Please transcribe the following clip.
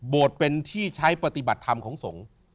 เป็นที่ใช้ปฏิบัติธรรมของสงฆ์